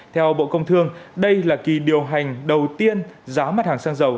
theo bộ công thương đây là kỳ điều hành đầu tiên giá mặt hàng xăng dầu